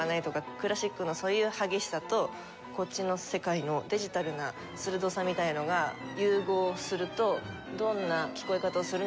クラシックのそういう激しさとこっちの世界のデジタルな鋭さみたいなのが融合するとどんな聴こえ方をするのかなって